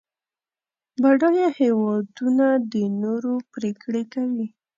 بډایه هېوادونه د نورو پرېکړې کوي.